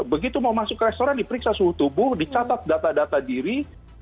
begitu mau masuk ke restoran diperiksa suhu tubuh dicatat data data diri